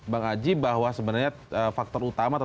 bang haji bahwa sebenarnya faktor utama